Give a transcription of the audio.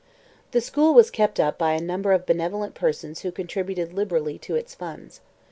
The school was kept up by a number of benevolent persons who contributed liberally to its funds.